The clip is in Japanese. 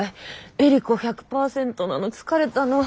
エリコ１００％なの疲れたの。